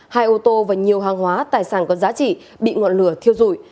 hai ô tô và nhiều hàng hóa tài sản có giá trị bị ngọn lửa thiêu rụi